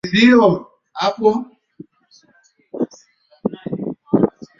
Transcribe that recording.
Chato mbunge ni Daktari Medard Matogolo Kalemani kupitia Chama cha mapinduzi